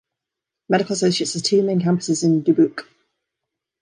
Medical Associates has two main campuses in Dubuque.